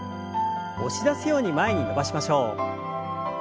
押し出すように前に伸ばしましょう。